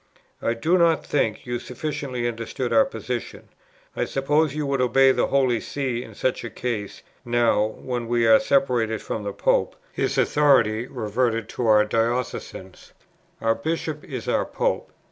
I do not think you sufficiently understood our position. I suppose you would obey the Holy See in such a case; now, when we were separated from the Pope, his authority reverted to our Diocesans. Our Bishop is our Pope.